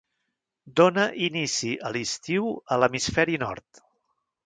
Dóna inici a l'estiu a l'hemisferi nord.